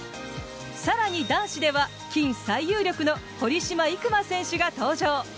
更に男子では金最有力の堀島行真選手が登場。